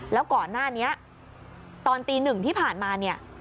แล้วก่อนหน้านี้ตอนตี๑ที่ผ่านมา